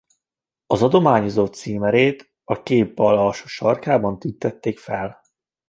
Az adományozó címerét a kép bal alsó sarkában tüntették fel.